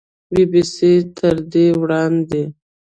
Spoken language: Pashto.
بي بي سي تر دې وړاندې